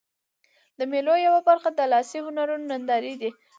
د مېلو یوه برخه د لاسي هنرونو نندارې دي.